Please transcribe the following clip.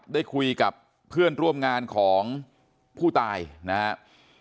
ได้คุยกับเพื่อนร่วมงานของผู้ตายนะครับ